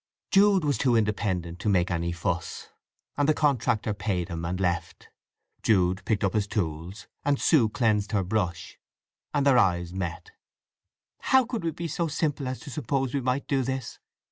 Jude was too independent to make any fuss; and the contractor paid him, and left. Jude picked up his tools, and Sue cleansed her brush. Then their eyes met. "How could we be so simple as to suppose we might do this!"